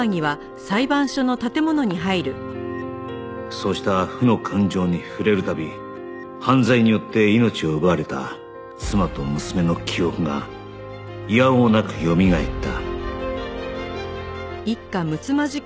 そうした負の感情に触れる度犯罪によって命を奪われた妻と娘の記憶がいや応なくよみがえった